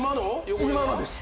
今のですよ